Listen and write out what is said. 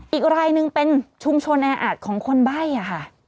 อีกรายหนึ่งเป็นชุมชนแออัดของคนใบ้อะค่ะ